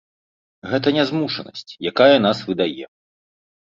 Гэта нязмушанасць, якая нас выдае.